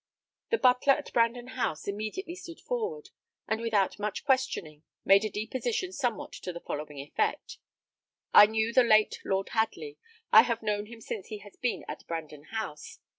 The butler at Brandon House immediately stood forward, and without much questioning, made a deposition somewhat to the following effect: "I knew the late Lord Hadley; I have known him since he has been at Brandon House.